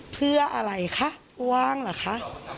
เพื่ออะไรคะว่างเหรอคะ